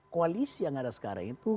koalisi yang ada sekarang itu